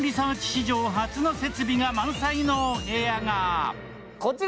史上初の設備が満載のお部屋が。